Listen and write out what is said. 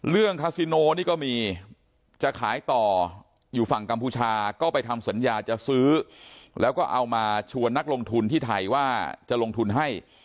คาซิโนนี่ก็มีจะขายต่ออยู่ฝั่งกัมพูชาก็ไปทำสัญญาจะซื้อแล้วก็เอามาชวนนักลงทุนที่ไทยว่าจะลงทุนให้